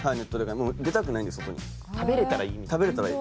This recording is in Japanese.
食べられたらいい？